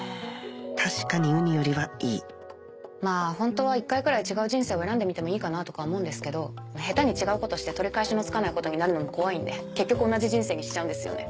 確かにウニよりはいいホントは１回くらい違う人生を選んでみてもいいかなとか思うんですけど下手に違うことして取り返しのつかないことになるのも怖いんで結局同じ人生にしちゃうんですよね。